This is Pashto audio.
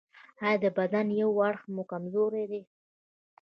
ایا د بدن یو اړخ مو کمزوری دی؟